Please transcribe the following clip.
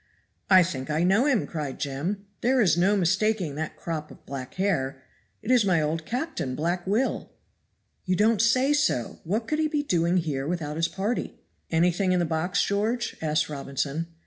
"I think I know him," cried Jem. "There is no mistaking that crop of black hair; it is my old captain, Black Will." "You don't say so! What could he be doing here without his party?" "Anything in the box, George?" asked Robinson.